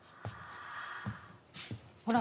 ほら。